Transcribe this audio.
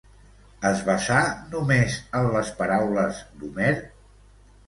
Es basà només en les paraules d'Homer?